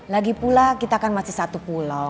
lagipula kita kan masih satu pulau